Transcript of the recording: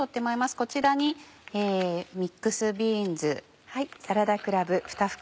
こちらにミックスビーンズ。